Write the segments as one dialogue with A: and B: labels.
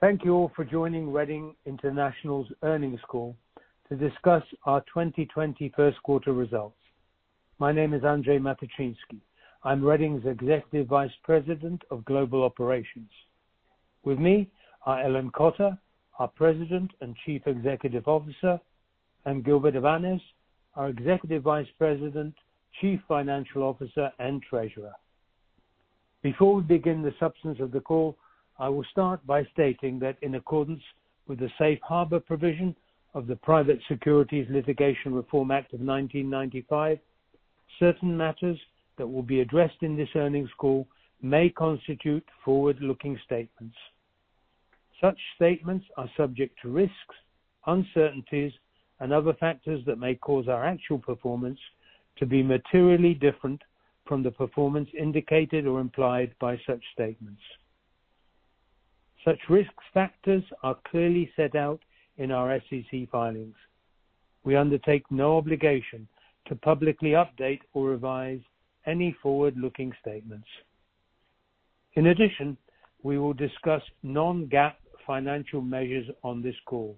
A: Thank you all for joining Reading International's earnings call to discuss our 2020 first quarter results. My name is Andrzej Matyczynski. I'm Reading's Executive Vice President of Global Operations. With me are Ellen Cotter, our President and Chief Executive Officer, Gilbert Avanes, our Executive Vice President, Chief Financial Officer, and Treasurer. Before we begin the substance of the call, I will start by stating that in accordance with the safe harbor provision of the Private Securities Litigation Reform Act of 1995, certain matters that will be addressed in this earnings call may constitute forward-looking statements. Such statements are subject to risks, uncertainties, and other factors that may cause our actual performance to be materially different from the performance indicated or implied by such statements. Such risk factors are clearly set out in our SEC filings. We undertake no obligation to publicly update or revise any forward-looking statements. In addition, we will discuss non-GAAP financial measures on this call.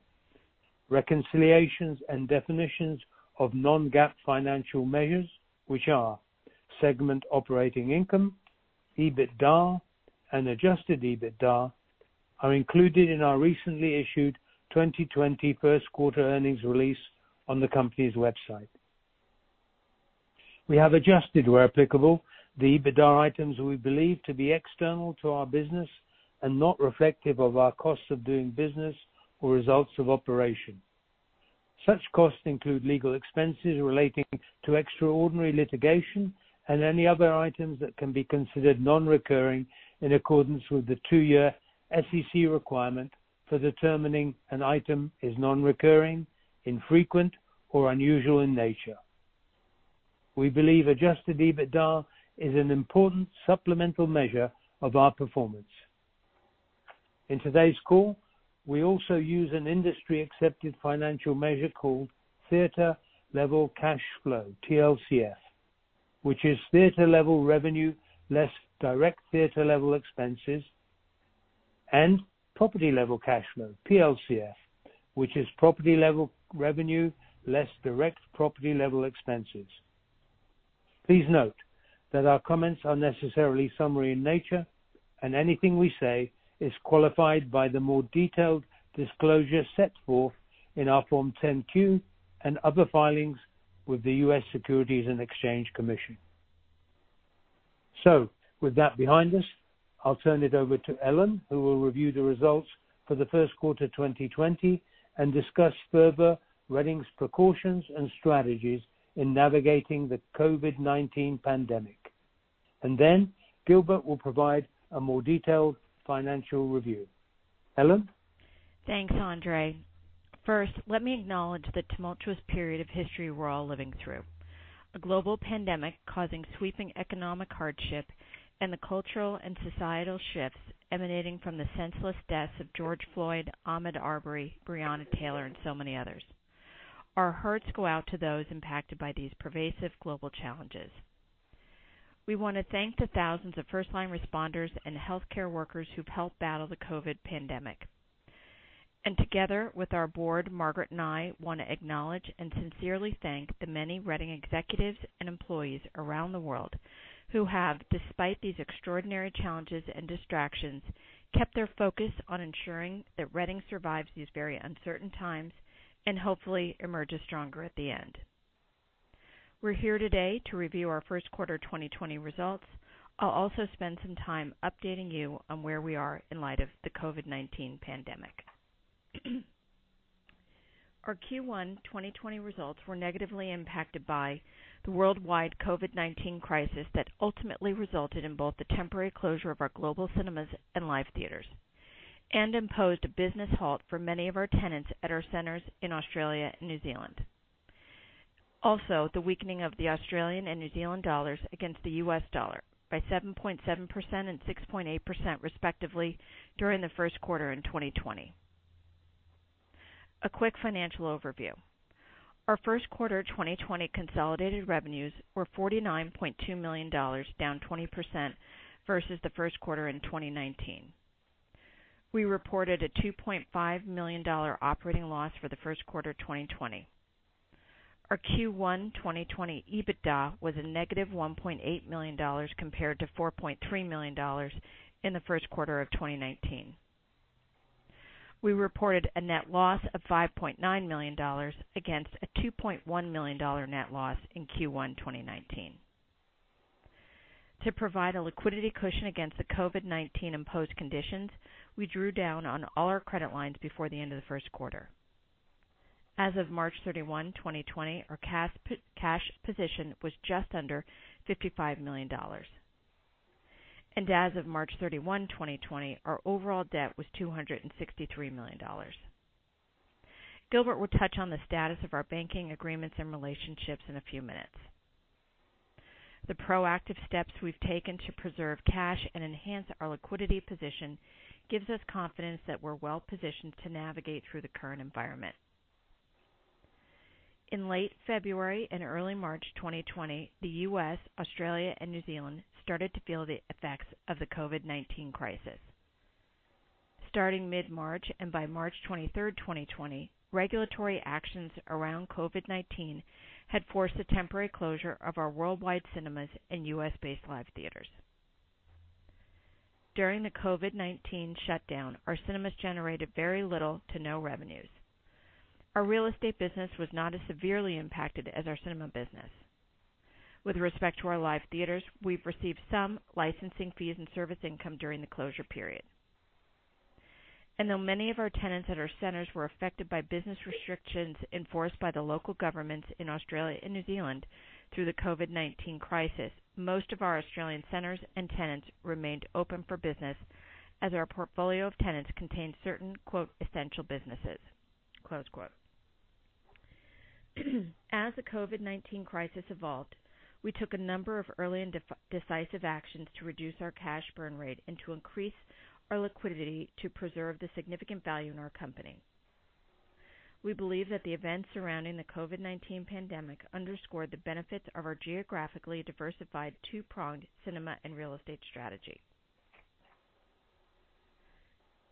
A: Reconciliations and definitions of non-GAAP financial measures, which are segment operating income, EBITDA, and adjusted EBITDA, are included in our recently issued 2020 first quarter earnings release on the company's website. We have adjusted, where applicable, the EBITDA items we believe to be external to our business and not reflective of our costs of doing business or results of operation. Such costs include legal expenses relating to extraordinary litigation and any other items that can be considered non-recurring in accordance with the 2-year SEC requirement for determining an item is non-recurring, infrequent, or unusual in nature. We believe adjusted EBITDA is an important supplemental measure of our performance. In today's call, we also use an industry-accepted financial measure called theater level cash flow, TLCF, which is theater-level revenue, less direct theater-level expenses, and property level cash flow, PLCF, which is property-level revenue, less direct property-level expenses. Please note that our comments are necessarily summary in nature, anything we say is qualified by the more detailed disclosure set forth in our Form 10-Q and other filings with the U.S. Securities and Exchange Commission. With that behind us, I'll turn it over to Ellen, who will review the results for the first quarter 2020 and discuss further Reading's precautions and strategies in navigating the COVID-19 pandemic. Gilbert will provide a more detailed financial review. Ellen?
B: Thanks, Andrzej. First, let me acknowledge the tumultuous period of history we're all living through. A global pandemic causing sweeping economic hardship and the cultural and societal shifts emanating from the senseless deaths of George Floyd, Ahmaud Arbery, Breonna Taylor, and so many others. Our hearts go out to those impacted by these pervasive global challenges. We want to thank the thousands of first-line responders and healthcare workers who've helped battle the COVID pandemic. Together with our board, Margaret and I want to acknowledge and sincerely thank the many Reading executives and employees around the world who have, despite these extraordinary challenges and distractions, kept their focus on ensuring that Reading survives these very uncertain times and hopefully emerges stronger at the end. We're here today to review our first quarter 2020 results. I'll also spend some time updating you on where we are in light of the COVID-19 pandemic. Our Q1 2020 results were negatively impacted by the worldwide COVID-19 crisis that ultimately resulted in both the temporary closure of our global cinemas and live theaters and imposed a business halt for many of our tenants at our centers in Australia and New Zealand. Also, the weakening of the Australian and New Zealand dollars against the U.S. dollar by 7.7% and 6.8% respectively during the first quarter in 2020. A quick financial overview. Our first quarter 2020 consolidated revenues were $49.2 million, down 20% versus the first quarter in 2019. We reported a $2.5 million operating loss for the first quarter 2020. Our Q1 2020 EBITDA was a negative $1.8 million compared to $4.3 million in the first quarter of 2019. We reported a net loss of $5.9 million against a $2.1 million net loss in Q1 2019. To provide a liquidity cushion against the COVID-19-imposed conditions, we drew down on all our credit lines before the end of the first quarter. As of March 31, 2020, our cash position was just under $55 million. As of March 31, 2020, our overall debt was $263 million. Gilbert will touch on the status of our banking agreements and relationships in a few minutes. The proactive steps we've taken to preserve cash and enhance our liquidity position gives us confidence that we're well-positioned to navigate through the current environment. In late February and early March 2020, the U.S., Australia, and New Zealand started to feel the effects of the COVID-19 crisis. Starting mid-March, by March 23rd, 2020, regulatory actions around COVID-19 had forced the temporary closure of our worldwide cinemas and U.S.-based live theaters. During the COVID-19 shutdown, our cinemas generated very little to no revenues. Our real estate business was not as severely impacted as our cinema business. With respect to our live theaters, we've received some licensing fees and service income during the closure period. Though many of our tenants at our centers were affected by business restrictions enforced by the local governments in Australia and New Zealand through the COVID-19 crisis, most of our Australian centers and tenants remained open for business as our portfolio of tenants contained certain "essential businesses." As the COVID-19 crisis evolved, we took a number of early and decisive actions to reduce our cash burn rate and to increase our liquidity to preserve the significant value in our company. We believe that the events surrounding the COVID-19 pandemic underscored the benefits of our geographically diversified two-pronged cinema and real estate strategy.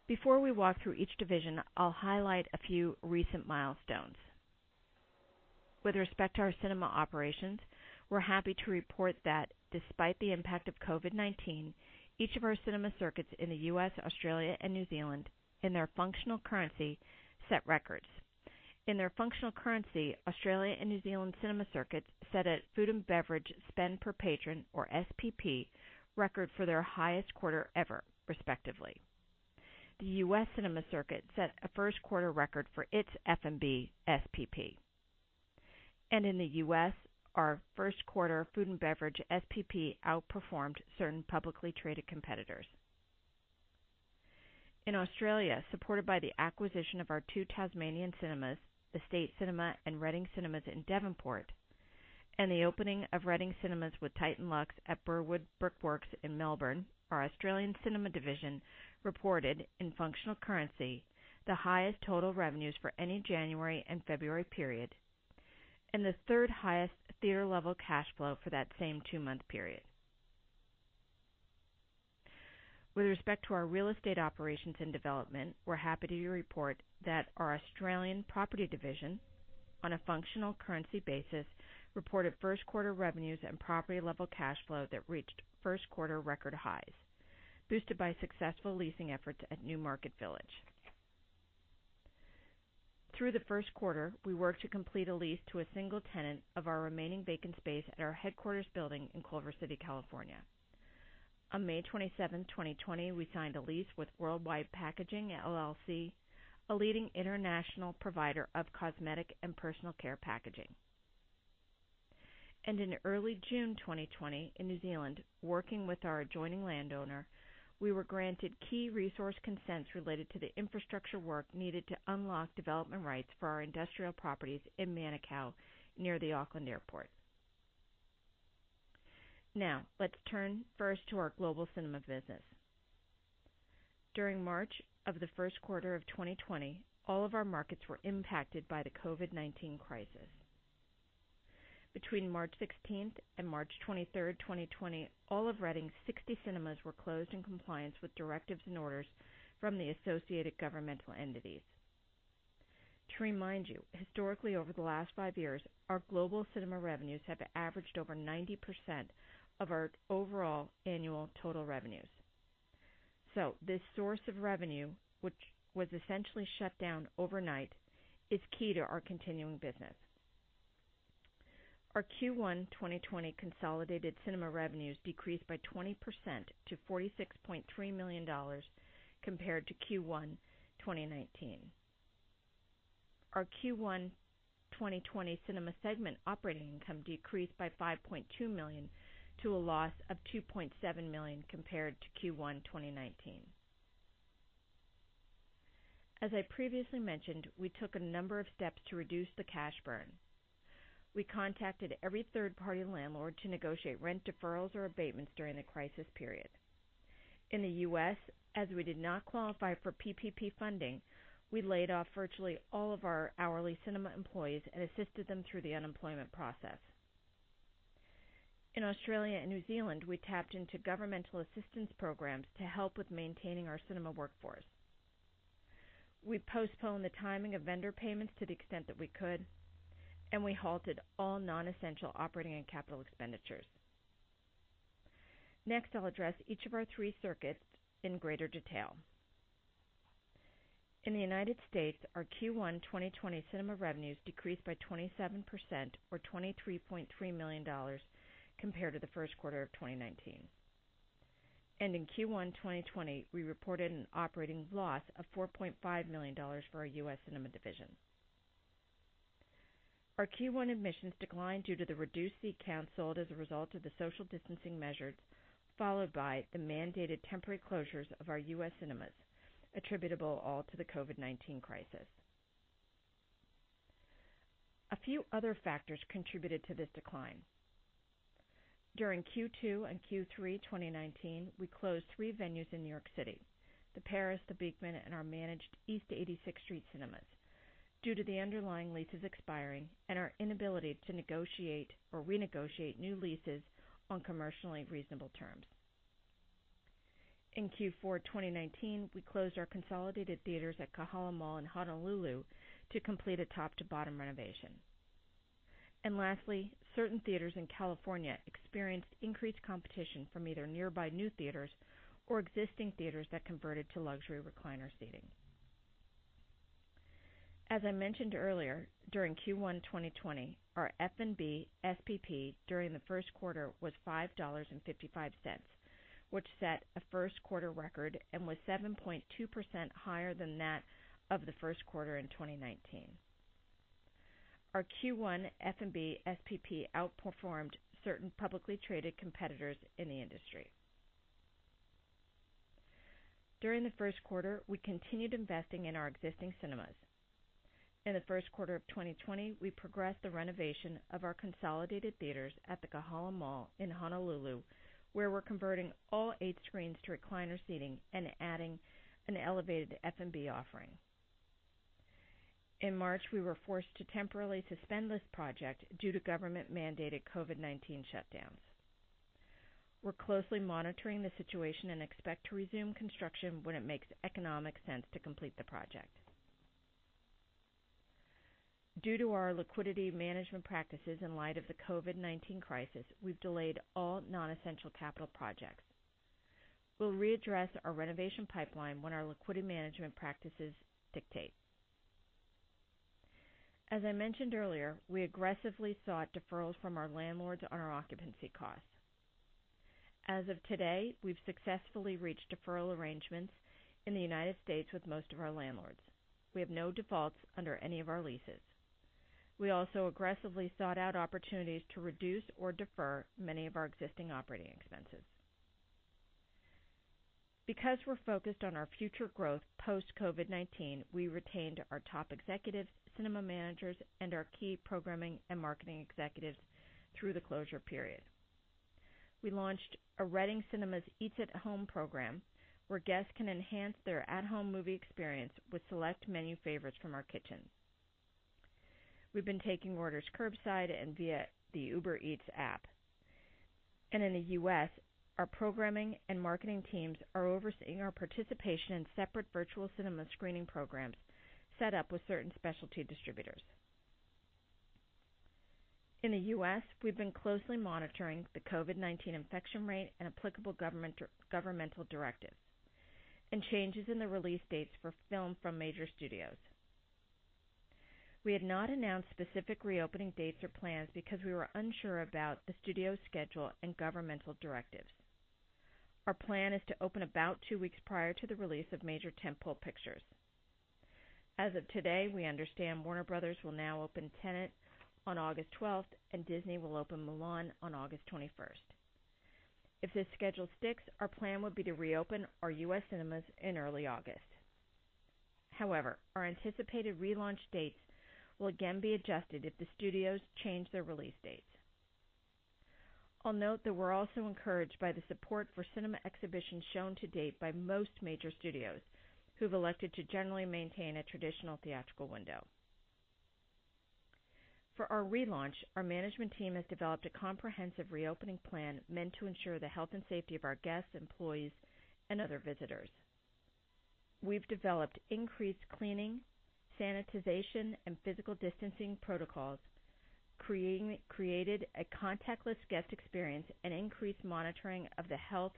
B: Before we walk through each division, I'll highlight a few recent milestones. With respect to our cinema operations, we're happy to report that despite the impact of COVID-19, each of our cinema circuits in the U.S., Australia, and New Zealand, in their functional currency, set records. In their functional currency, Australia and New Zealand cinema circuits set a food and beverage spend per patron, or SPP, record for their highest quarter ever, respectively. The U.S. cinema circuit set a first-quarter record for its F&B SPP. In the U.S., our first-quarter food and beverage SPP outperformed certain publicly traded competitors. In Australia, supported by the acquisition of our two Tasmanian cinemas, the State Cinema and Reading Cinemas in Devonport, and the opening of Reading Cinemas with TITAN LUXE at Burwood Brickworks in Melbourne, our Australian cinema division reported, in functional currency, the highest total revenues for any January and February period, and the third-highest theater-level cash flow for that same two-month period. With respect to our real estate operations and development, we're happy to report that our Australian property division, on a functional currency basis, reported first-quarter revenues and property-level cash flow that reached first-quarter record highs, boosted by successful leasing efforts at Newmarket Village. Through the first quarter, we worked to complete a lease to a single tenant of our remaining vacant space at our headquarters building in Culver City, California. On May 27th, 2020, we signed a lease with World Wide Packaging LLC, a leading international provider of cosmetic and personal care packaging. In early June 2020, in New Zealand, working with our adjoining landowner, we were granted key resource consents related to the infrastructure work needed to unlock development rights for our industrial properties in Manukau, near the Auckland Airport. Let's turn first to our global cinema business. During March of the first quarter of 2020, all of our markets were impacted by the COVID-19 crisis. Between March 16th and March 23rd, 2020, all of Reading's 60 cinemas were closed in compliance with directives and orders from the associated governmental entities. To remind you, historically, over the last five years, our global cinema revenues have averaged over 90% of our overall annual total revenues. This source of revenue, which was essentially shut down overnight, is key to our continuing business. Our Q1 2020 consolidated cinema revenues decreased by 20% to $46.3 million compared to Q1 2019. Our Q1 2020 cinema segment operating income decreased by $5.2 million to a loss of $2.7 million compared to Q1 2019. As I previously mentioned, we took a number of steps to reduce the cash burn. We contacted every third-party landlord to negotiate rent deferrals or abatements during the crisis period. In the U.S., as we did not qualify for PPP funding, we laid off virtually all of our hourly cinema employees and assisted them through the unemployment process. In Australia and New Zealand, we tapped into governmental assistance programs to help with maintaining our cinema workforce. We postponed the timing of vendor payments to the extent that we could, and we halted all non-essential operating and capital expenditures. Next, I'll address each of our three circuits in greater detail. In the United States, our Q1 2020 cinema revenues decreased by 27% or $23.3 million compared to the first quarter of 2019. In Q1 2020, we reported an operating loss of $4.5 million for our U.S. cinema division. Our Q1 admissions declined due to the reduced seats canceled as a result of the social distancing measures, followed by the mandated temporary closures of our U.S. cinemas, attributable all to the COVID-19 crisis. A few other factors contributed to this decline. During Q2 and Q3 2019, we closed three venues in New York City, The Paris, The Beekman, and our managed East 86th Street Cinemas, due to the underlying leases expiring and our inability to negotiate or renegotiate new leases on commercially reasonable terms. In Q4 2019, we closed our consolidated theaters at Kahala Mall in Honolulu to complete a top-to-bottom renovation. Lastly, certain theaters in California experienced increased competition from either nearby new theaters or existing theaters that converted to luxury recliner seating. As I mentioned earlier, during Q1 2020, our F&B SPP during the first quarter was $5.55, which set a first-quarter record and was 7.2% higher than that of the first quarter in 2019. Our Q1 F&B SPP outperformed certain publicly traded competitors in the industry. During the first quarter, we continued investing in our existing cinemas. In the first quarter of 2020, we progressed the renovation of our consolidated theaters at the Kahala Mall in Honolulu, where we're converting all eight screens to recliner seating and adding an elevated F&B offering. In March, we were forced to temporarily suspend this project due to government-mandated COVID-19 shutdowns. We're closely monitoring the situation and expect to resume construction when it makes economic sense to complete the project. Due to our liquidity management practices in light of the COVID-19 crisis, we've delayed all non-essential capital projects. We'll readdress our renovation pipeline when our liquidity management practices dictate. As I mentioned earlier, we aggressively sought deferrals from our landlords on our occupancy costs. As of today, we've successfully reached deferral arrangements in the United States with most of our landlords. We have no defaults under any of our leases. We also aggressively sought out opportunities to reduce or defer many of our existing operating expenses. Because we're focused on our future growth post-COVID-19, we retained our top executives, cinema managers, and our key programming and marketing executives through the closure period. We launched a Reading Cinemas Eats at Home program where guests can enhance their at-home movie experience with select menu favorites from our kitchens. We've been taking orders curbside and via the Uber Eats app. In the U.S., our programming and marketing teams are overseeing our participation in separate virtual cinema screening programs set up with certain specialty distributors. In the U.S., we've been closely monitoring the COVID-19 infection rate and applicable governmental directives and changes in the release dates for film from major studios. We had not announced specific reopening dates or plans because we were unsure about the studio's schedule and governmental directives. Our plan is to open about two weeks prior to the release of major tent-pole pictures. As of today, we understand Warner Bros. will now open Tenet on August 12th, and Disney will open Mulan on August 21st. If this schedule sticks, our plan would be to reopen our U.S. cinemas in early August. However, our anticipated relaunch dates will again be adjusted if the studios change their release dates. I'll note that we're also encouraged by the support for cinema exhibition shown to date by most major studios who've elected to generally maintain a traditional theatrical window. For our relaunch, our management team has developed a comprehensive reopening plan meant to ensure the health and safety of our guests, employees, and other visitors. We've developed increased cleaning, sanitization, and physical distancing protocols, created a contactless guest experience, and increased monitoring of the health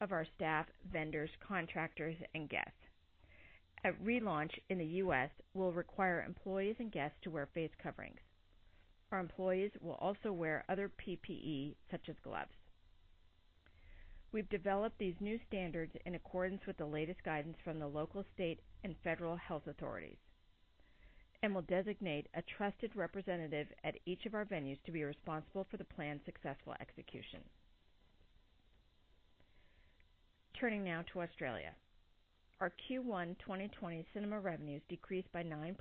B: of our staff, vendors, contractors, and guests. At relaunch in the U.S., we'll require employees and guests to wear face coverings. Our employees will also wear other PPE, such as gloves. We've developed these new standards in accordance with the latest guidance from the local, state, and federal health authorities and will designate a trusted representative at each of our venues to be responsible for the plan's successful execution. Turning now to Australia. Our Q1 2020 cinema revenues decreased by 9%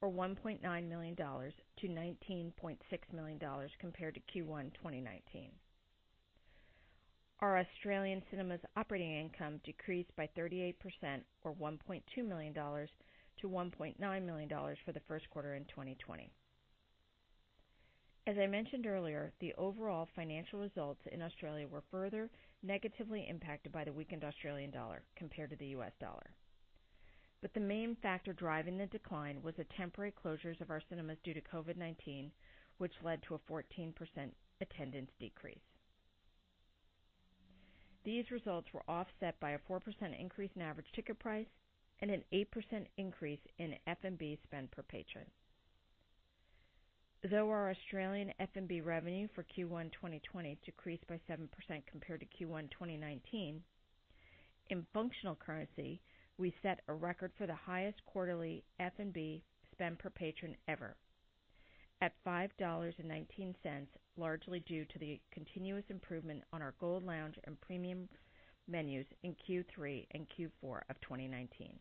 B: or $1.9 million to $19.6 million compared to Q1 2019. Our Australian cinemas operating income decreased by 38% or $1.2 million to $1.9 million for the first quarter in 2020. As I mentioned earlier, the overall financial results in Australia were further negatively impacted by the weakened Australian dollar compared to the US dollar. The main factor driving the decline was the temporary closures of our cinemas due to COVID-19, which led to a 14% attendance decrease. These results were offset by a 4% increase in average ticket price and an 8% increase in F&B spend per patron. Our Australian F&B revenue for Q1 2020 decreased by 7% compared to Q1 2019, in functional currency, we set a record for the highest quarterly F&B spend per patron ever at 5.19 dollars, largely due to the continuous improvement on our Gold Lounge and premium menus in Q3 and Q4 of 2019.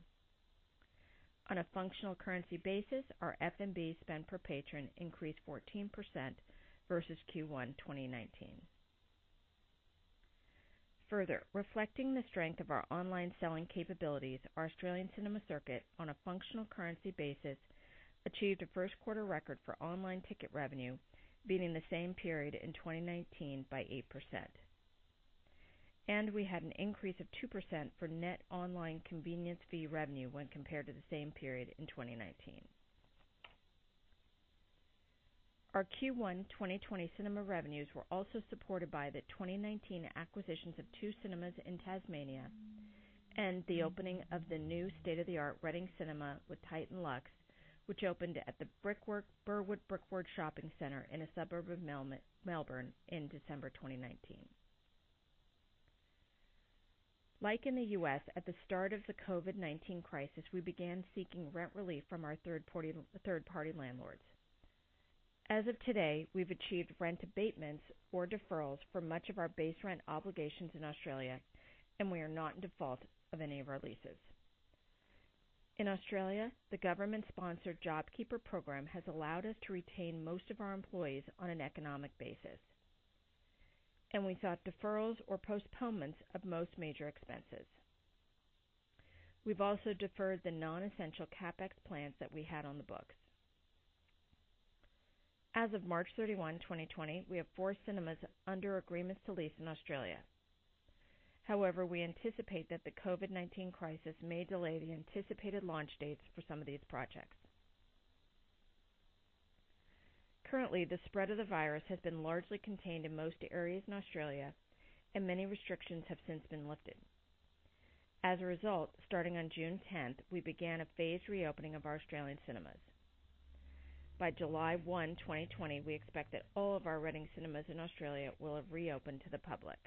B: On a functional currency basis, our F&B spend per patron increased 14% versus Q1 2019. Further, reflecting the strength of our online selling capabilities, our Australian cinema circuit, on a functional currency basis, achieved a first quarter record for online ticket revenue, beating the same period in 2019 by 8%. We had an increase of 2% for net online convenience fee revenue when compared to the same period in 2019. Our Q1 2020 cinema revenues were also supported by the 2019 acquisitions of two cinemas in Tasmania and the opening of the new state-of-the-art Reading Cinemas with TITAN LUXE, which opened at the Burwood Brickworks Shopping Center in a suburb of Melbourne in December 2019. Like in the U.S., at the start of the COVID-19 crisis, we began seeking rent relief from our third-party landlords. As of today, we've achieved rent abatements or deferrals for much of our base rent obligations in Australia, and we are not in default of any of our leases. In Australia, the government-sponsored JobKeeper program has allowed us to retain most of our employees on an economic basis. We sought deferrals or postponements of most major expenses. We've also deferred the non-essential CapEx plans that we had on the books. As of March 31, 2020, we have four cinemas under agreements to lease in Australia. However, we anticipate that the COVID-19 crisis may delay the anticipated launch dates for some of these projects. Currently, the spread of the virus has been largely contained in most areas in Australia, and many restrictions have since been lifted. As a result, starting on June 10th, we began a phased reopening of our Australian cinemas. By July 1, 2020, we expect that all of our Reading Cinemas in Australia will have reopened to the public.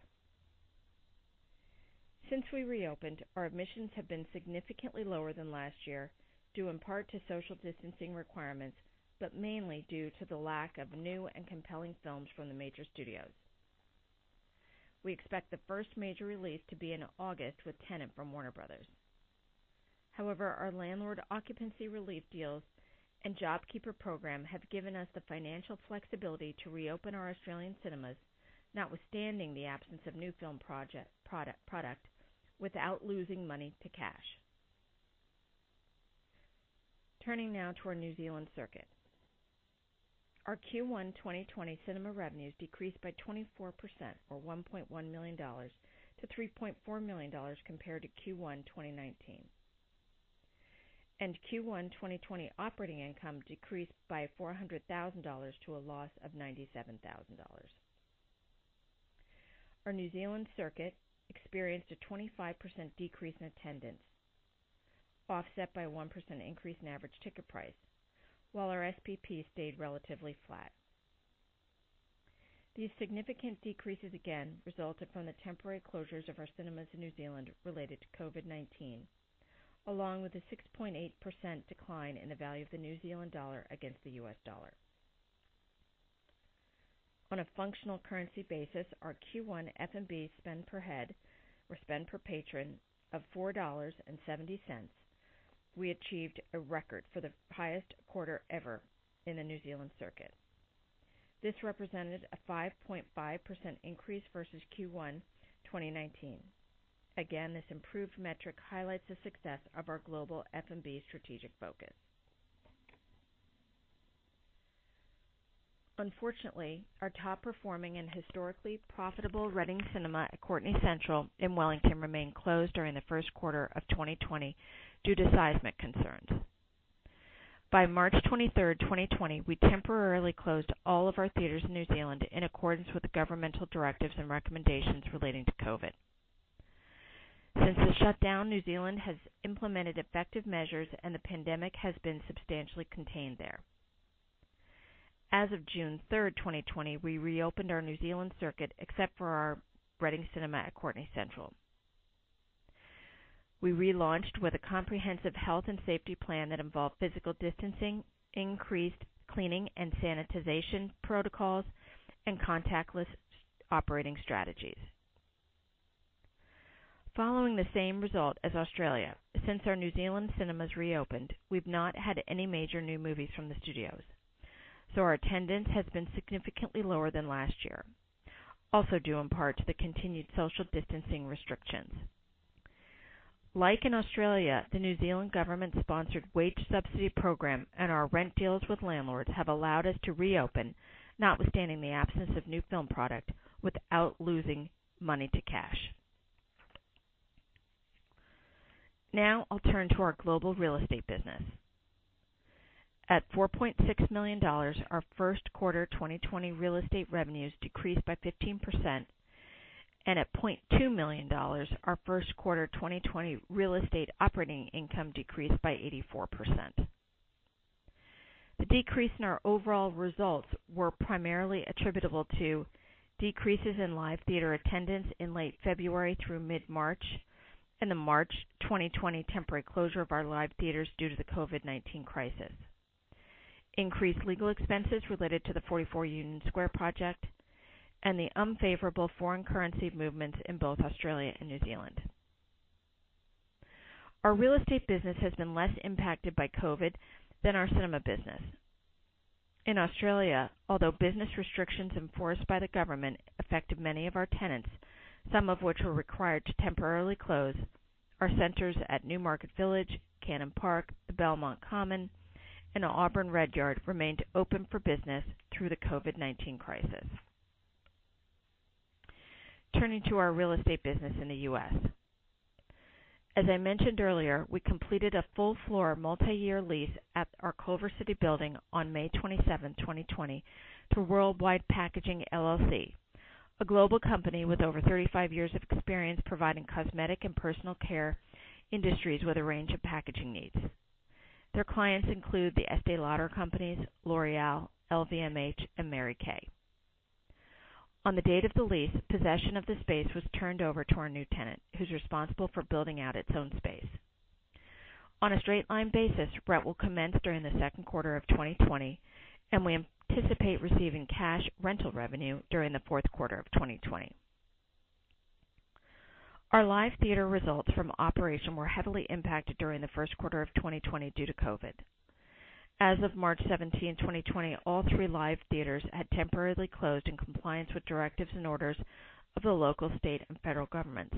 B: Since we reopened, our admissions have been significantly lower than last year, due in part to social distancing requirements, but mainly due to the lack of new and compelling films from the major studios. We expect the first major release to be in August with Tenet from Warner Bros. Our landlord occupancy relief deals and JobKeeper program have given us the financial flexibility to reopen our Australian cinemas, notwithstanding the absence of new film product, without losing money to cash. Turning now to our New Zealand circuit. Our Q1 2020 cinema revenues decreased by 24%, or $1.1 million, to $3.4 million compared to Q1 2019. Q1 2020 operating income decreased by $400,000 to a loss of $97,000. Our New Zealand circuit experienced a 25% decrease in attendance, offset by a 1% increase in average ticket price, while our SPP stayed relatively flat. These significant decreases again resulted from the temporary closures of our cinemas in New Zealand related to COVID-19, along with a 6.8% decline in the value of the New Zealand dollar against the US dollar. On a functional currency basis, our Q1 F&B spend per patron of 4.70 dollars, we achieved a record for the highest quarter ever in the New Zealand circuit. This represented a 5.5% increase versus Q1 2019. This improved metric highlights the success of our global F&B strategic focus. Unfortunately, our top-performing and historically profitable Reading Cinema at Courtenay Central in Wellington remained closed during the first quarter of 2020 due to seismic concerns. By March 23, 2020, we temporarily closed all of our theaters in New Zealand in accordance with the governmental directives and recommendations relating to COVID. Since the shutdown, New Zealand has implemented effective measures, and the pandemic has been substantially contained there. As of June 3, 2020, we reopened our New Zealand circuit except for our Reading Cinema at Courtenay Central. We relaunched with a comprehensive health and safety plan that involved physical distancing, increased cleaning and sanitization protocols, and contactless operating strategies. Following the same result as Australia, since our New Zealand cinemas reopened, we've not had any major new movies from the studios. Our attendance has been significantly lower than last year, also due in part to the continued social distancing restrictions. Like in Australia, the New Zealand government-sponsored wage subsidy program and our rent deals with landlords have allowed us to reopen, notwithstanding the absence of new film product, without losing money to cash. I'll turn to our global real estate business. At $4.6 million, our first quarter 2020 real estate revenues decreased by 15%, and at $0.2 million, our first quarter 2020 real estate operating income decreased by 84%. The decrease in our overall results were primarily attributable to decreases in live theater attendance in late February through mid-March and the March 2020 temporary closure of our live theaters due to the COVID-19 crisis. Increased legal expenses related to the 44 Union Square project, and the unfavorable foreign currency movements in both Australia and New Zealand. Our real estate business has been less impacted by COVID-19 than our cinema business. In Australia, although business restrictions enforced by the government affected many of our tenants, some of which were required to temporarily close, our centers at Newmarket Village, Cannon Park, the Belmont Common, and Auburn Redyard remained open for business through the COVID-19 crisis. Turning to our real estate business in the U.S. As I mentioned earlier, we completed a full-floor multiyear lease at our Culver City building on May 27, 2020, to World Wide Packaging LLC, a global company with over 35 years of experience providing cosmetic and personal care industries with a range of packaging needs. Their clients include the Estée Lauder Companies, L'Oréal, LVMH, and Mary Kay. On the date of the lease, possession of the space was turned over to our new tenant, who's responsible for building out its own space. On a straight-line basis, rent will commence during the second quarter of 2020, and we anticipate receiving cash rental revenue during the fourth quarter of 2020. Our live theater results from operation were heavily impacted during the first quarter of 2020 due to COVID. As of March 17, 2020, all three live theaters had temporarily closed in compliance with directives and orders of the local, state, and federal governments.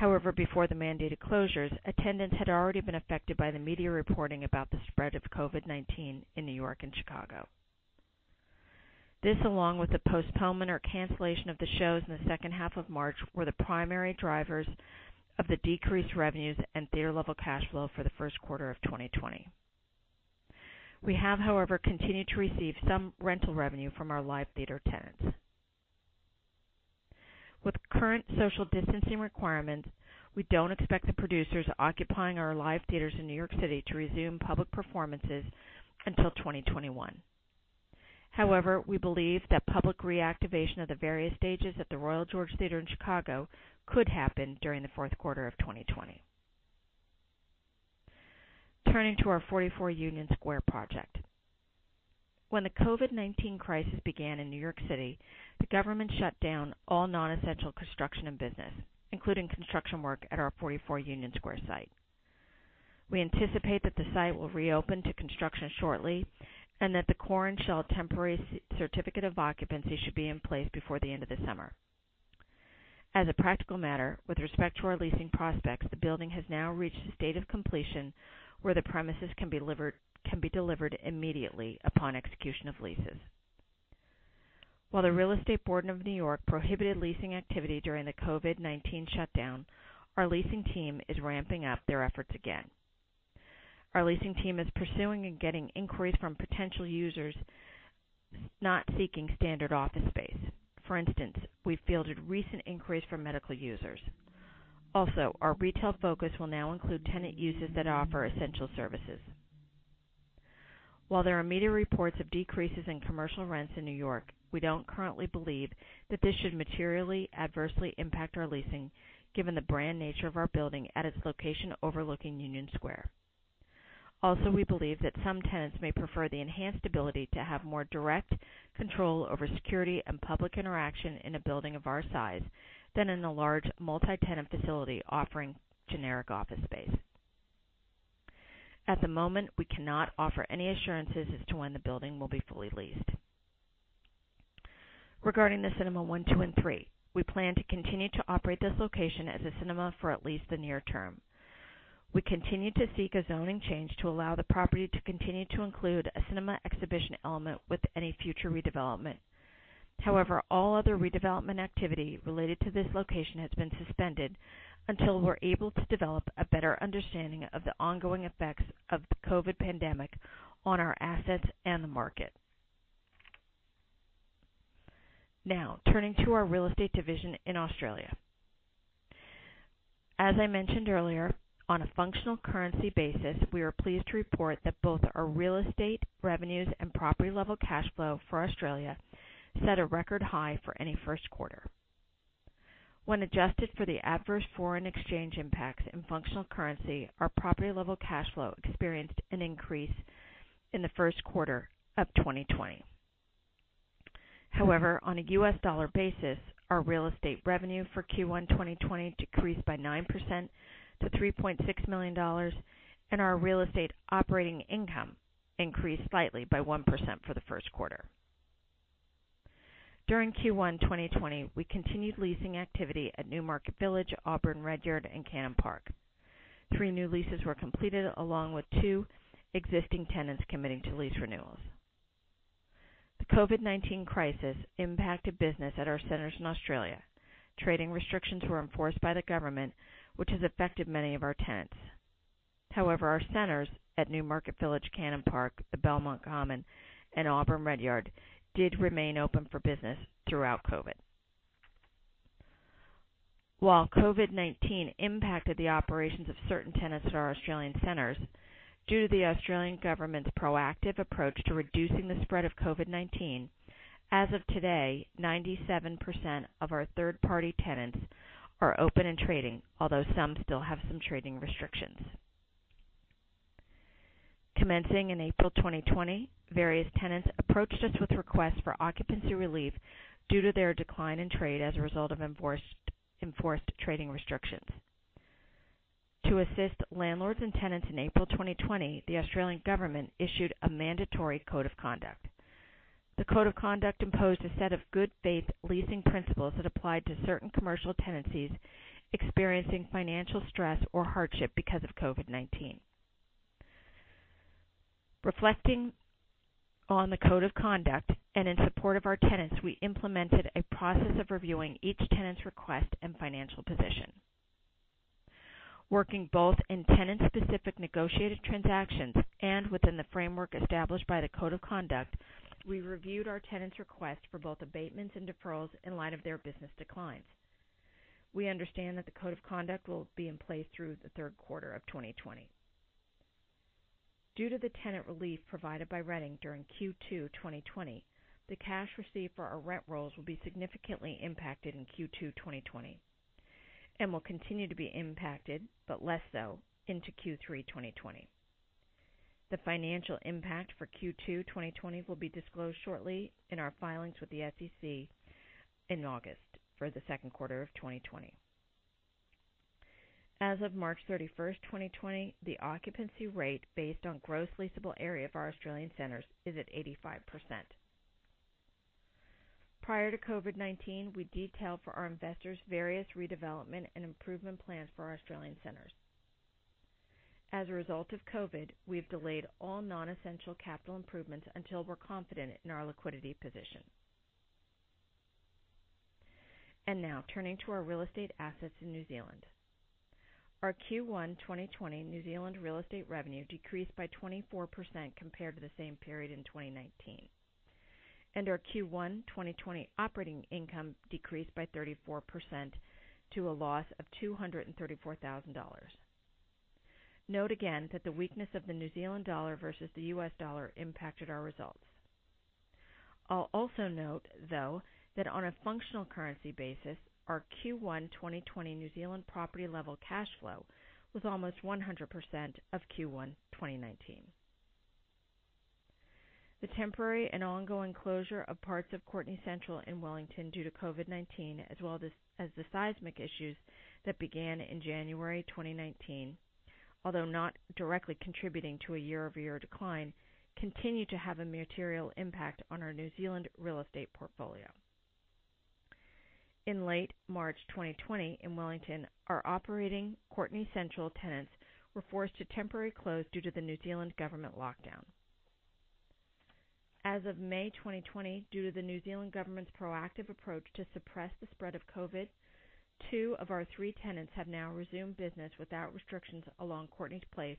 B: Before the mandated closures, attendance had already been affected by the media reporting about the spread of COVID-19 in New York and Chicago. This, along with the postponement or cancellation of the shows in the second half of March, were the primary drivers of the decreased revenues and theater-level cash flow for the first quarter of 2020. We have, however, continued to receive some rental revenue from our live theater tenants. With current social distancing requirements, we don't expect the producers occupying our live theaters in New York City to resume public performances until 2021. We believe that public reactivation of the various stages at the Royal George Theatre in Chicago could happen during the fourth quarter of 2020. Turning to our 44 Union Square project. When the COVID-19 crisis began in New York City, the government shut down all non-essential construction and business, including construction work at our 44 Union Square site. We anticipate that the site will reopen to construction shortly and that the core and shell temporary certificate of occupancy should be in place before the end of the summer. As a practical matter, with respect to our leasing prospects, the building has now reached a state of completion where the premises can be delivered immediately upon execution of leases. While the Real Estate Board of New York prohibited leasing activity during the COVID-19 shutdown, our leasing team is ramping up their efforts again. Our leasing team is pursuing and getting inquiries from potential users not seeking standard office space. For instance, we fielded recent inquiries from medical users. Our retail focus will now include tenant uses that offer essential services. While there are media reports of decreases in commercial rents in New York, we don't currently believe that this should materially adversely impact our leasing given the brand nature of our building at its location overlooking Union Square. We believe that some tenants may prefer the enhanced ability to have more direct control over security and public interaction in a building of our size than in a large multi-tenant facility offering generic office space. At the moment, we cannot offer any assurances as to when the building will be fully leased. Regarding the Cinemas 1, 2 & 3, we plan to continue to operate this location as a cinema for at least the near term. We continue to seek a zoning change to allow the property to continue to include a cinema exhibition element with any future redevelopment. However, all other redevelopment activity related to this location has been suspended until we're able to develop a better understanding of the ongoing effects of the COVID-19 pandemic on our assets and the market. Now, turning to our real estate division in Australia. As I mentioned earlier, on a functional currency basis, we are pleased to report that both our real estate revenues and property-level cash flow for Australia set a record high for any first quarter. When adjusted for the adverse foreign exchange impacts in functional currency, our property-level cash flow experienced an increase in the first quarter of 2020. However, on a US dollar basis, our real estate revenue for Q1 2020 decreased by 9% to $3.6 million, and our real estate operating income increased slightly by 1% for the first quarter. During Q1 2020, we continued leasing activity at Newmarket Village, Auburn Redyard, and Cannon Park. 3 new leases were completed, along with 2 existing tenants committing to lease renewals. The COVID-19 crisis impacted business at our centers in Australia. Trading restrictions were enforced by the government, which has affected many of our tenants. Our centers at Newmarket Village, Cannon Park, the Belmont Common, and Auburn Redyard did remain open for business throughout COVID. While COVID-19 impacted the operations of certain tenants at our Australian centers, due to the Australian government's proactive approach to reducing the spread of COVID-19, as of today, 97% of our third-party tenants are open and trading, although some still have some trading restrictions. Commencing in April 2020, various tenants approached us with requests for occupancy relief due to their decline in trade as a result of enforced trading restrictions. To assist landlords and tenants in April 2020, the Australian government issued a mandatory code of conduct. The code of conduct imposed a set of good faith leasing principles that applied to certain commercial tenancies experiencing financial stress or hardship because of COVID-19. Reflecting on the code of conduct and in support of our tenants, we implemented a process of reviewing each tenant's request and financial position. Working both in tenant-specific negotiated transactions and within the framework established by the code of conduct, we reviewed our tenants' requests for both abatements and deferrals in light of their business declines. We understand that the code of conduct will be in place through the third quarter of 2020. Due to the tenant relief provided by Reading during Q2 2020, the cash received for our rent rolls will be significantly impacted in Q2 2020, and will continue to be impacted, but less so, into Q3 2020. The financial impact for Q2 2020 will be disclosed shortly in our filings with the SEC in August for the second quarter of 2020. As of March 31st, 2020, the occupancy rate, based on gross leasable area of our Australian centers, is at 85%. Prior to COVID-19, we detailed for our investors various redevelopment and improvement plans for our Australian centers. As a result of COVID, we've delayed all non-essential capital improvements until we're confident in our liquidity position. Now turning to our real estate assets in New Zealand. Our Q1 2020 New Zealand real estate revenue decreased by 24% compared to the same period in 2019. Our Q1 2020 operating income decreased by 34% to a loss of $234,000. Note again that the weakness of the New Zealand dollar versus the US dollar impacted our results. I'll also note, though, that on a functional currency basis, our Q1 2020 New Zealand property level cash flow was almost 100% of Q1 2019. The temporary and ongoing closure of parts of Courtenay Central in Wellington due to COVID-19, as well as the seismic issues that began in January 2019, although not directly contributing to a year-over-year decline, continue to have a material impact on our New Zealand real estate portfolio. In late March 2020 in Wellington, our operating Courtenay Central tenants were forced to temporarily close due to the New Zealand government lockdown. As of May 2020, due to the New Zealand government's proactive approach to suppress the spread of COVID, two of our three tenants have now resumed business without restrictions along Courtenay Place,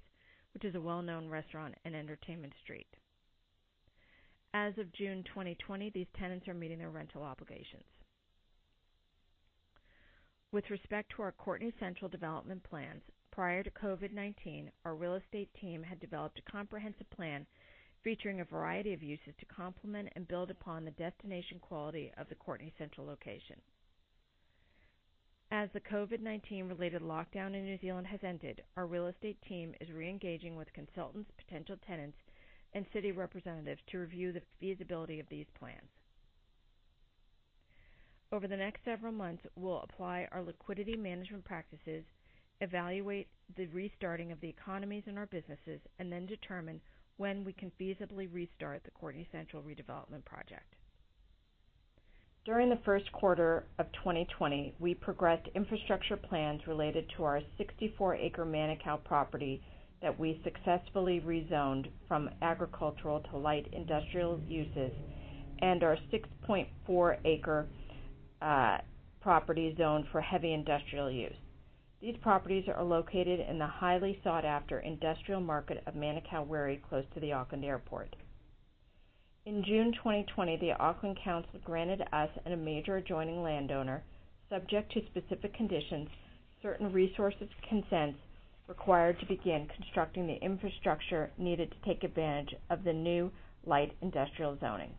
B: which is a well-known restaurant and entertainment street. As of June 2020, these tenants are meeting their rental obligations. With respect to our Courtenay Central development plans, prior to COVID-19, our real estate team had developed a comprehensive plan featuring a variety of uses to complement and build upon the destination quality of the Courtenay Central location. As the COVID-19 related lockdown in New Zealand has ended, our real estate team is re-engaging with consultants, potential tenants, and city representatives to review the feasibility of these plans. Over the next several months, we'll apply our liquidity management practices, evaluate the restarting of the economies in our businesses, and then determine when we can feasibly restart the Courtenay Central redevelopment project. During the first quarter of 2020, we progressed infrastructure plans related to our 64-acre Manukau property that we successfully rezoned from agricultural to light industrial uses, and our 6.4-acre property zoned for heavy industrial use. These properties are located in the highly sought after industrial market of Manukau Wiri, close to the Auckland Airport. In June 2020, the Auckland Council granted us and a major adjoining landowner, subject to specific conditions, certain resource consents required to begin constructing the infrastructure needed to take advantage of the new light industrial zoning.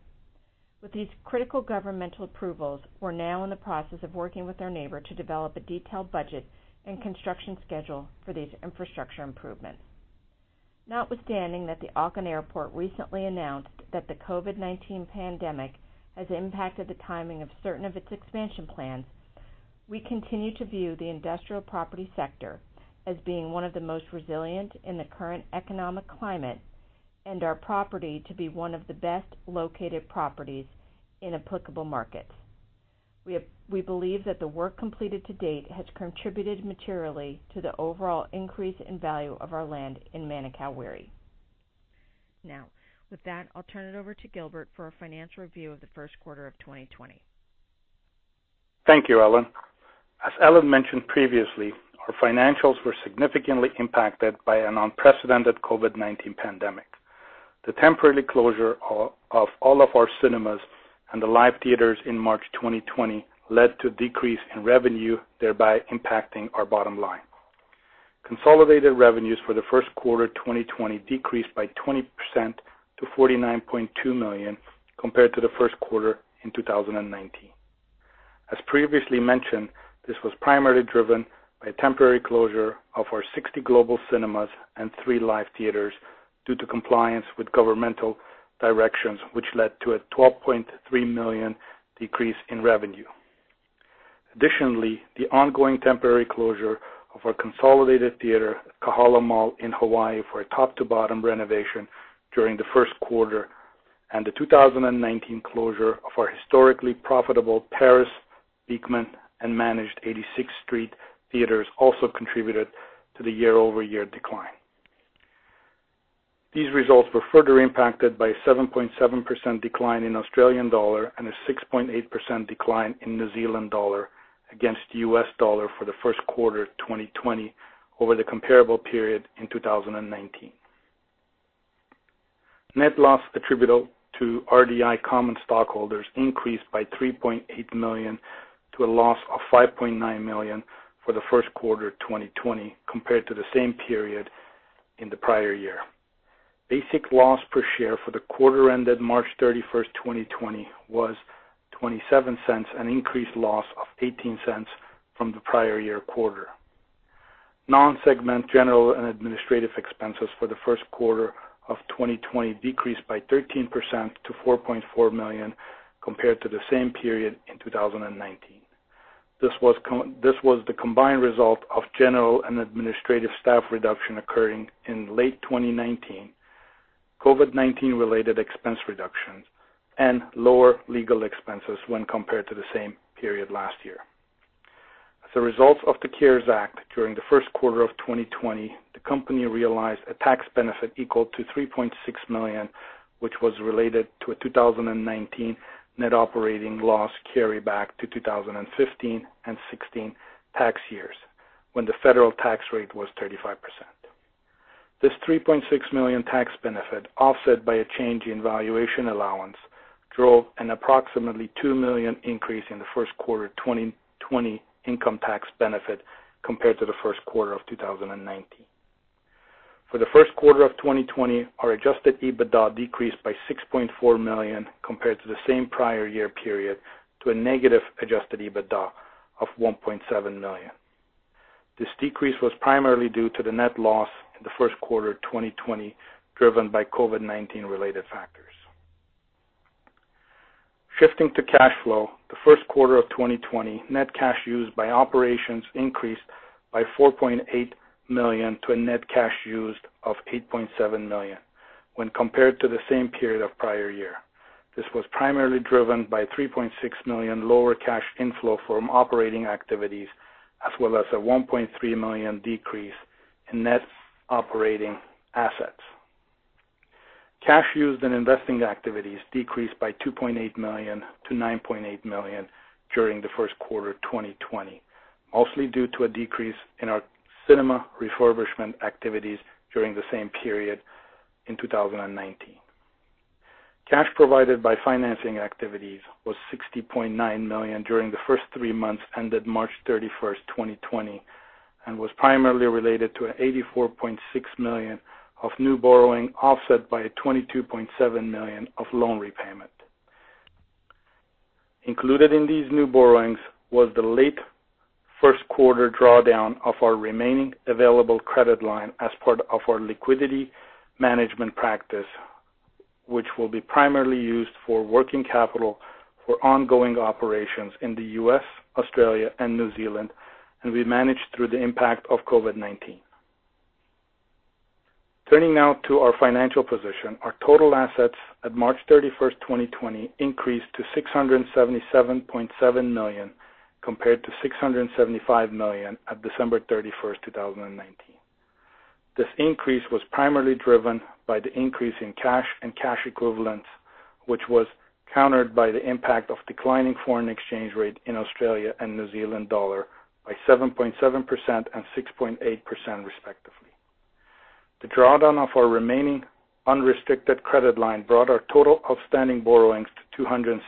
B: With these critical governmental approvals, we're now in the process of working with our neighbor to develop a detailed budget and construction schedule for these infrastructure improvements. Notwithstanding that the Auckland Airport recently announced that the COVID-19 pandemic has impacted the timing of certain of its expansion plans, we continue to view the industrial property sector as being one of the most resilient in the current economic climate, and our property to be one of the best located properties in applicable markets. We believe that the work completed to date has contributed materially to the overall increase in value of our land in Manukau Wiri. Now, with that, I'll turn it over to Gilbert for a financial review of the first quarter of 2020.
C: Thank you, Ellen. As Ellen mentioned previously, our financials were significantly impacted by an unprecedented COVID-19 pandemic. The temporary closure of all of our cinemas and the live theaters in March 2020 led to a decrease in revenue, thereby impacting our bottom line. Consolidated revenues for the first quarter 2020 decreased by 20% to $49.2 million compared to the first quarter in 2019. As previously mentioned, this was primarily driven by temporary closure of our 60 global cinemas and three live theaters due to compliance with governmental directions, which led to a $12.3 million decrease in revenue. Additionally, the ongoing temporary closure of our consolidated theater at Kahala Mall in Hawaii for a top-to-bottom renovation during the first quarter, and the 2019 closure of our historically profitable Paris Beekman and East 86th Street Cinemas also contributed to the year-over-year decline. These results were further impacted by a 7.7% decline in Australian dollar and a 6.8% decline in New Zealand dollar against the U.S. dollar for the first quarter 2020 over the comparable period in 2019. Net loss attributable to RDI common stockholders increased by $3.8 million to a loss of $5.9 million for the first quarter 2020 compared to the same period in the prior year. Basic loss per share for the quarter ended March 31st, 2020 was $0.27, an increased loss of $0.18 from the prior year quarter. Non-segment general and administrative expenses for the first quarter of 2020 decreased by 13% to $4.4 million, compared to the same period in 2019. This was the combined result of general and administrative staff reduction occurring in late 2019, COVID-19 related expense reductions, and lower legal expenses when compared to the same period last year. As a result of the CARES Act during the first quarter of 2020, the company realized a tax benefit equal to $3.6 million, which was related to a 2019 net operating loss carryback to 2015 and 2016 tax years, when the federal tax rate was 35%. This $3.6 million tax benefit, offset by a change in valuation allowance, drove an approximately $2 million increase in the first quarter 2020 income tax benefit compared to the first quarter of 2019. For the first quarter of 2020, our Adjusted EBITDA decreased by $6.4 million compared to the same prior year period, to a negative Adjusted EBITDA of $1.7 million. This decrease was primarily due to the net loss in the first quarter 2020, driven by COVID-19 related factors. Shifting to cash flow, the first quarter of 2020, net cash used by operations increased by $4.8 million to a net cash used of $8.7 million when compared to the same period of prior year. This was primarily driven by $3.6 million lower cash inflow from operating activities, as well as a $1.3 million decrease in net operating assets. Cash used in investing activities decreased by $2.8 million to $9.8 million during the first quarter 2020, mostly due to a decrease in our cinema refurbishment activities during the same period in 2019. Cash provided by financing activities was $60.9 million during the first three months ended March 31st, 2020, and was primarily related to a $84.6 million of new borrowing, offset by a $22.7 million of loan repayment. Included in these new borrowings was the late first quarter drawdown of our remaining available credit line as part of our liquidity management practice, which will be primarily used for working capital for ongoing operations in the U.S., Australia, and New Zealand, and we managed through the impact of COVID-19. Turning now to our financial position. Our total assets at March 31, 2020 increased to $677.7 million, compared to $675 million at December 31, 2019. This increase was primarily driven by the increase in cash and cash equivalents, which was countered by the impact of declining foreign exchange rate in AUD and NZD by 7.7% and 6.8% respectively. The drawdown of our remaining unrestricted credit line brought our total outstanding borrowings to $263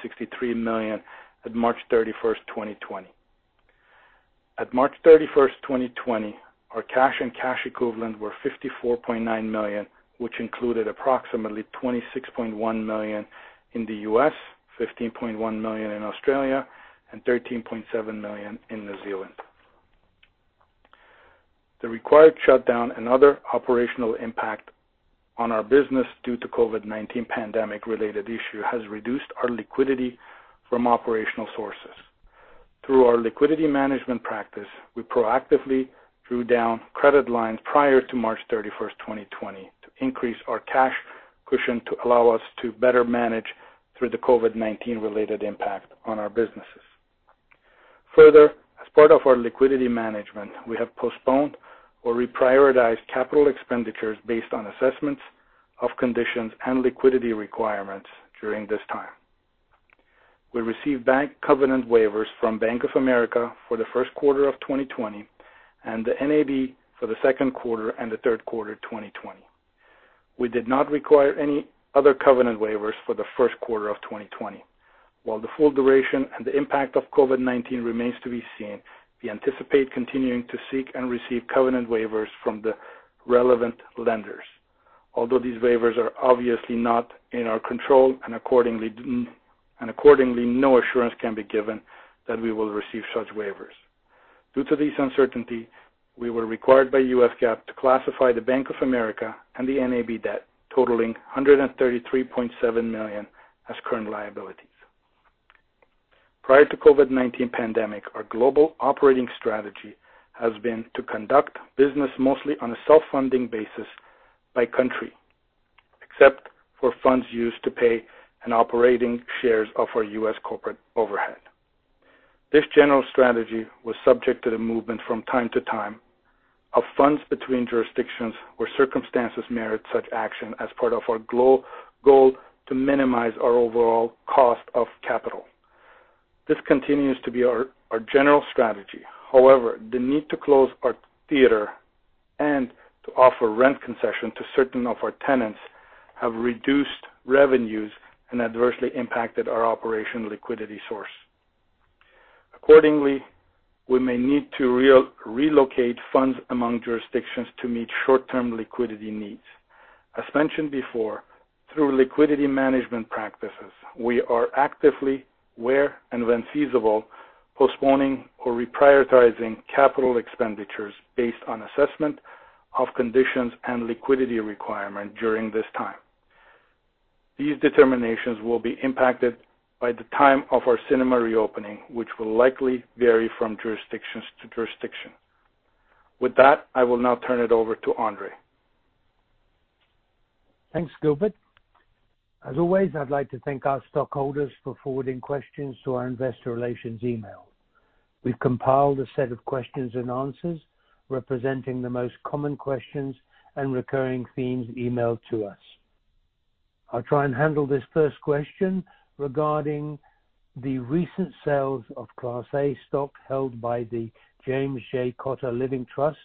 C: million at March 31, 2020. At March 31st, 2020, our cash and cash equivalents were $54.9 million, which included approximately $26.1 million in the U.S., AUD 15.1 million in Australia, and 13.7 million in New Zealand. The required shutdown and other operational impact on our business due to COVID-19 pandemic related issue has reduced our liquidity from operational sources. Through our liquidity management practice, we proactively drew down credit lines prior to March 31st, 2020 to increase our cash cushion to allow us to better manage through the COVID-19 related impact on our businesses. Further, as part of our liquidity management, we have postponed or reprioritized capital expenditures based on assessments of conditions and liquidity requirements during this time. We received bank covenant waivers from Bank of America for the first quarter of 2020 and the NAB for the second quarter and the third quarter 2020. We did not require any other covenant waivers for the first quarter of 2020. While the full duration and the impact of COVID-19 remains to be seen, we anticipate continuing to seek and receive covenant waivers from the relevant lenders. Although these waivers are obviously not in our control, and accordingly, no assurance can be given that we will receive such waivers. Due to this uncertainty, we were required by US GAAP to classify the Bank of America and the NAB debt totaling $133.7 million as current liabilities. Prior to COVID-19 pandemic, our global operating strategy has been to conduct business mostly on a self-funding basis by country, except for funds used to pay an operating shares of our US corporate overhead. This general strategy was subject to the movement from time to time of funds between jurisdictions where circumstances merit such action as part of our goal to minimize our overall cost of capital. This continues to be our general strategy. The need to close our theatre and to offer rent concession to certain of our tenants have reduced revenues and adversely impacted our operation liquidity source. We may need to relocate funds among jurisdictions to meet short-term liquidity needs. As mentioned before, through liquidity management practices, we are actively, where and when feasible, postponing or reprioritizing capital expenditures based on assessment of conditions and liquidity requirement during this time. These determinations will be impacted by the time of our cinema reopening, which will likely vary from jurisdictions to jurisdiction. With that, I will now turn it over to Andre.
A: Thanks, Gilbert. As always, I'd like to thank our stockholders for forwarding questions to our investor relations email. We've compiled a set of questions and answers representing the most common questions and recurring themes emailed to us. I'll try and handle this first question regarding the recent sales of Class A stock held by the James J. Cotter Living Trust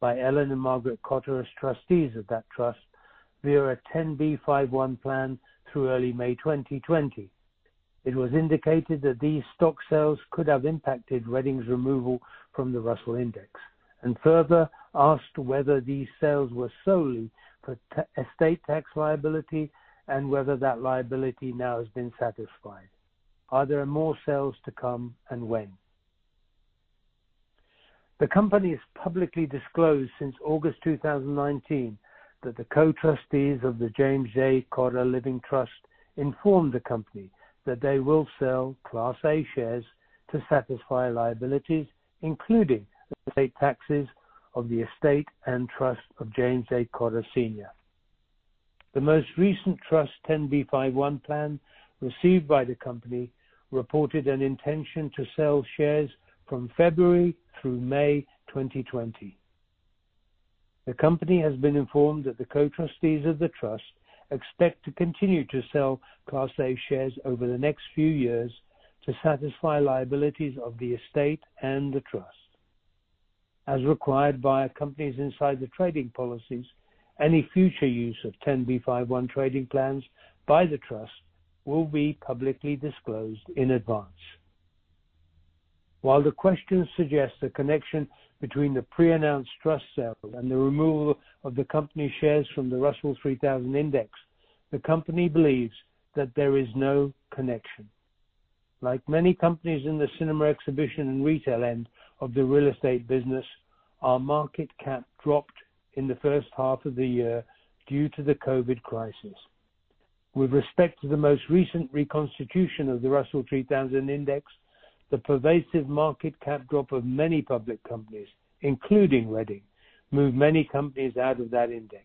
A: by Ellen and Margaret Cotter as trustees of that trust via a 10b5-1 plan through early May 2020. It was indicated that these stock sales could have impacted Reading's removal from the Russell Index, and further asked whether these sales were solely for estate tax liability and whether that liability now has been satisfied. Are there more sales to come, and when? The company has publicly disclosed since August 2019 that the co-trustees of the James J. Cotter Living Trust informed the company that they will sell Class A shares to satisfy liabilities, including estate taxes of the estate and trust of James J. Cotter Senior. The most recent trust 10b5-1 plan received by the company reported an intention to sell shares from February through May 2020. The company has been informed that the co-trustees of the trust expect to continue to sell Class A shares over the next few years to satisfy liabilities of the estate and the trust. As required by a company's insider trading policies, any future use of 10b5-1 trading plans by the trust will be publicly disclosed in advance. While the question suggests a connection between the pre-announced trust sale and the removal of the company shares from the Russell 3000 Index, the company believes that there is no connection. Like many companies in the cinema exhibition and retail end of the real estate business, our market cap dropped in the first half of the year due to the COVID crisis. With respect to the most recent reconstitution of the Russell 3000 Index, the pervasive market cap drop of many public companies, including Reading, moved many companies out of that index.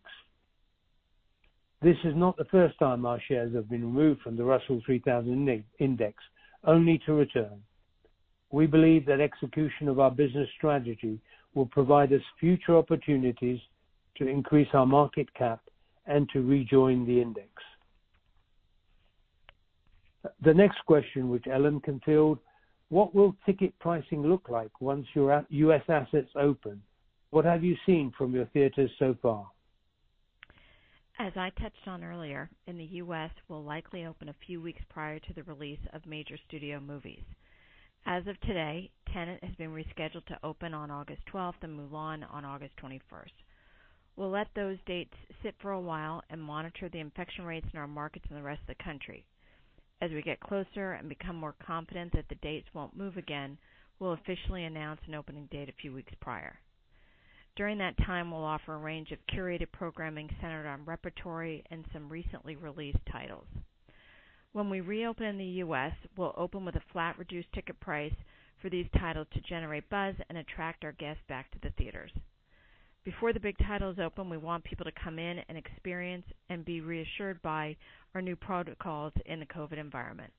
A: This is not the first time our shares have been removed from the Russell 3000 Index only to return. We believe that execution of our business strategy will provide us future opportunities to increase our market cap and to rejoin the index. The next question, which Ellen can field, what will ticket pricing look like once your U.S. assets open? What have you seen from your theaters so far?
B: As I touched on earlier, in the U.S., we'll likely open a few weeks prior to the release of major studio movies. As of today, Tenet has been rescheduled to open on August 12th and Mulan on August 21st. We'll let those dates sit for a while and monitor the infection rates in our markets and the rest of the country. As we get closer and become more confident that the dates won't move again, we'll officially announce an opening date a few weeks prior. During that time, we'll offer a range of curated programming centered on repertory and some recently released titles. When we reopen in the U.S., we'll open with a flat reduced ticket price for these titles to generate buzz and attract our guests back to the theaters. Before the big titles open, we want people to come in and experience and be reassured by our new protocols in the COVID-19 environment.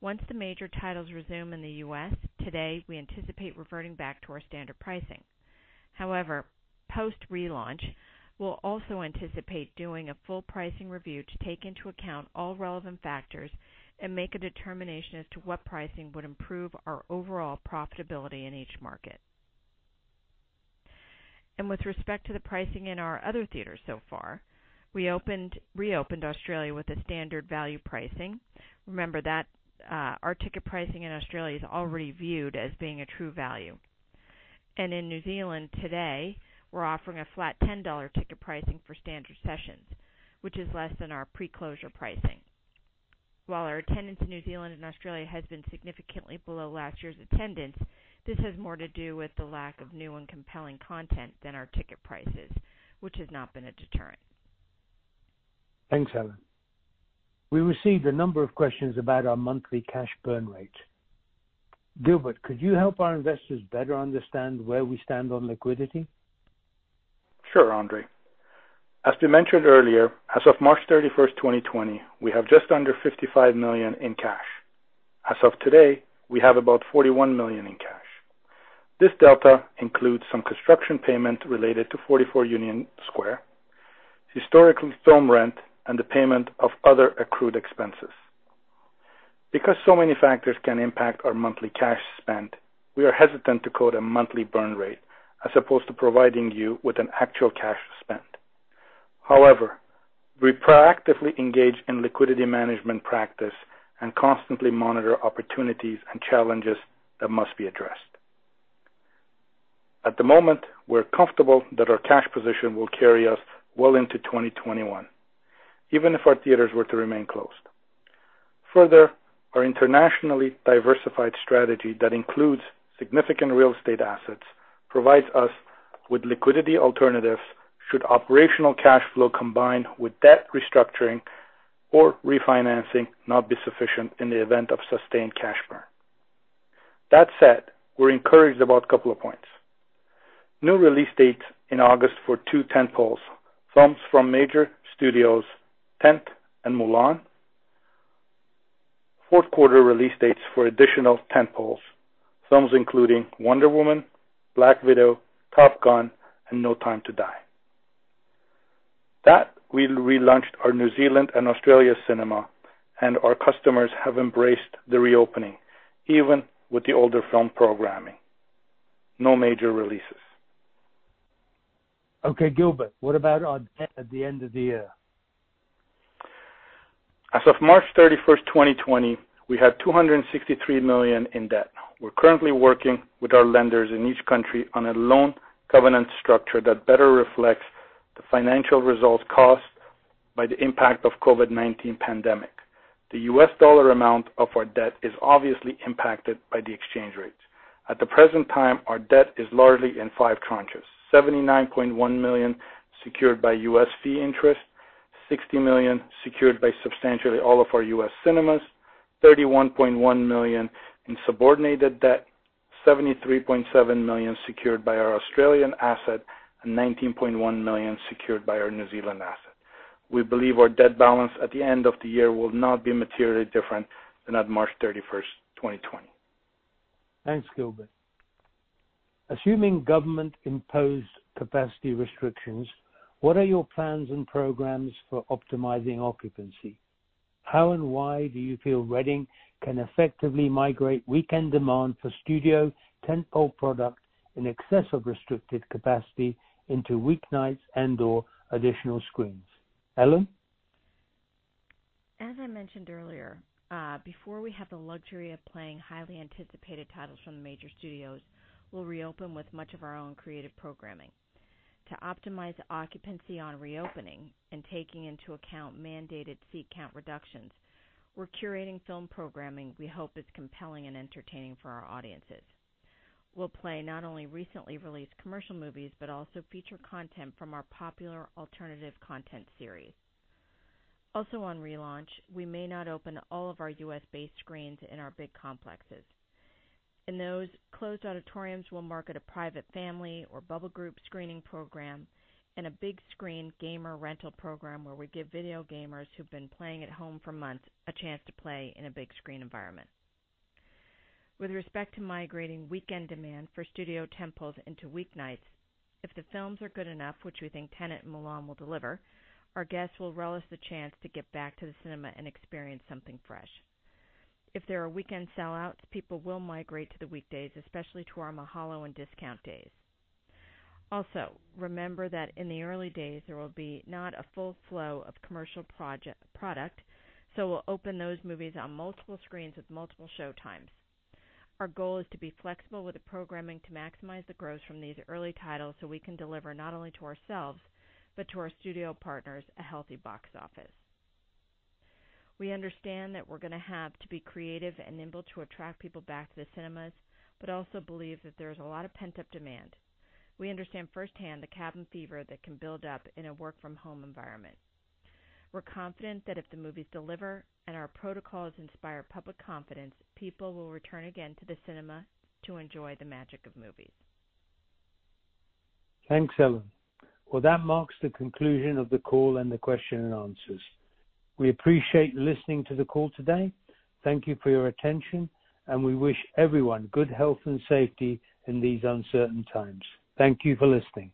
B: Once the major titles resume in the U.S. today, we anticipate reverting back to our standard pricing. However, post-relaunch, we'll also anticipate doing a full pricing review to take into account all relevant factors and make a determination as to what pricing would improve our overall profitability in each market. With respect to the pricing in our other theaters so far, we reopened Australia with a standard value pricing. Remember that our ticket pricing in Australia is already viewed as being a true value. In New Zealand today, we're offering a flat $10 ticket pricing for standard sessions, which is less than our pre-closure pricing. While our attendance in New Zealand and Australia has been significantly below last year's attendance, this has more to do with the lack of new and compelling content than our ticket prices, which has not been a deterrent.
A: Thanks, Ellen. We received a number of questions about our monthly cash burn rate. Gilbert, could you help our investors better understand where we stand on liquidity?
C: Sure, Andre. As we mentioned earlier, as of March 31st, 2020, we have just under $55 million in cash. As of today, we have about $41 million in cash. This delta includes some construction payment related to 44 Union Square, historical film rent, and the payment of other accrued expenses. Because so many factors can impact our monthly cash spend, we are hesitant to quote a monthly burn rate as opposed to providing you with an actual cash spend. However, we proactively engage in liquidity management practice and constantly monitor opportunities and challenges that must be addressed. At the moment, we're comfortable that our cash position will carry us well into 2021, even if our theaters were to remain closed. Further, our internationally diversified strategy that includes significant real estate assets provides us with liquidity alternatives should operational cash flow combined with debt restructuring or refinancing not be sufficient in the event of sustained cash burn. That said, we're encouraged about a couple of points. New release dates in August for two tentpoles, films from major studios, Tenet and Mulan. Fourth quarter release dates for additional tentpoles, films including Wonder Woman, Black Widow, Top Gun, and No Time to Die. That we relaunched our New Zealand and Australia cinema, and our customers have embraced the reopening even with the older film programming. No major releases.
A: Gilbert, what about our debt at the end of the year?
C: As of March 31st, 2020, we had $263 million in debt. We're currently working with our lenders in each country on a loan covenant structure that better reflects the financial results caused by the impact of COVID-19 pandemic. The US dollar amount of our debt is obviously impacted by the exchange rates. At the present time, our debt is largely in five tranches, $79.1 million secured by U.S. fee interest, $60 million secured by substantially all of our U.S. cinemas, $31.1 million in subordinated debt, $73.7 million secured by our Australian asset, and $19.1 million secured by our New Zealand asset. We believe our debt balance at the end of the year will not be materially different than at March 31st, 2020.
A: Thanks, Gilbert. Assuming government-imposed capacity restrictions, what are your plans and programs for optimizing occupancy? How and why do you feel Reading can effectively migrate weekend demand for studio tentpole product in excess of restricted capacity into weeknights and/or additional screens? Ellen?
B: As I mentioned earlier, before we have the luxury of playing highly anticipated titles from the major studios, we'll reopen with much of our own creative programming. To optimize occupancy on reopening and taking into account mandated seat count reductions, we're curating film programming we hope is compelling and entertaining for our audiences. We'll play not only recently released commercial movies, but also feature content from our popular alternative content series. Also on relaunch, we may not open all of our U.S.-based screens in our big complexes. In those closed auditoriums, we'll market a private family or bubble group screening program and a big screen gamer rental program where we give video gamers who've been playing at home for months a chance to play in a big screen environment. With respect to migrating weekend demand for studio tentpoles into weeknights, if the films are good enough, which we think Tenet and Mulan will deliver, our guests will relish the chance to get back to the cinema and experience something fresh. If there are weekend sellouts, people will migrate to the weekdays, especially to our Mahalo and discount days. Also, remember that in the early days, there will be not a full flow of commercial product, so we'll open those movies on multiple screens with multiple showtimes. Our goal is to be flexible with the programming to maximize the gross from these early titles so we can deliver not only to ourselves, but to our studio partners, a healthy box office. We understand that we're going to have to be creative and nimble to attract people back to the cinemas, but also believe that there's a lot of pent-up demand. We understand firsthand the cabin fever that can build up in a work-from-home environment. We're confident that if the movies deliver and our protocols inspire public confidence, people will return again to the cinema to enjoy the magic of movies.
A: Thanks, Ellen. Well, that marks the conclusion of the call and the question and answers. We appreciate you listening to the call today. Thank you for your attention, and we wish everyone good health and safety in these uncertain times. Thank you for listening.